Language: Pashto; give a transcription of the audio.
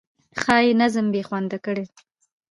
ښایي نظم بې خونده کړي.